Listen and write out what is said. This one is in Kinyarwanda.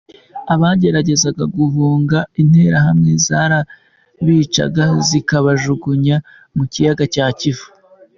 Abageragezaga guhunga, interahamwe zarabicaga zikabajugunya mu kiyaga cya Kivu.